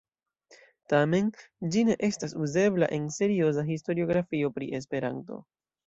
Tamen, ĝi ne estas uzebla en serioza historiografio pri Esperanto.